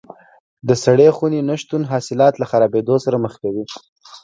د سړې خونې نه شتون حاصلات له خرابېدو سره مخ کوي.